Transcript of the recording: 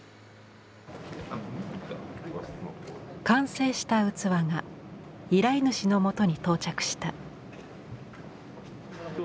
完成した器が依頼主のもとに到着した。